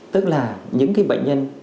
tức là những bệnh nhân